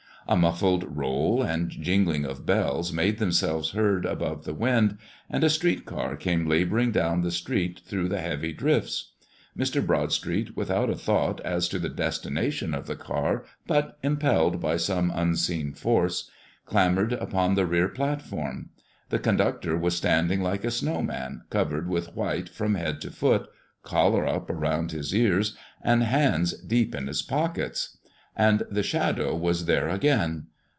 A muffled roll and jingling of bells made themselves heard above the wind, and a street car came laboring down the street through the heavy drifts. Mr. Broadstreet, without a thought as to the destination of the car, but impelled by some unseen force, clambered upon the rear platform. The conductor was standing like a snowman, covered with white from head to foot, collar up around his ears, and hands deep in his pockets. And the Shadow was there again.